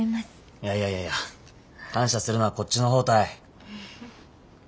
いやいやいやいや感謝するのはこっちの方たい。